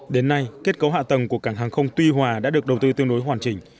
đến nay kết cấu hạ tầng của cảng hàng không tuy hòa đã được đầu tư tương đối hoàn chỉnh